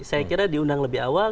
saya kira diundang lebih awal